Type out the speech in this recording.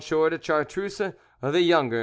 de Chartruse, the younger M.